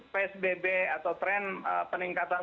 psbb atau tren peningkatan